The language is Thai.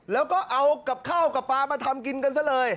แล้วก็เอากับข้าวกับปลามาทำกินกันซะเลย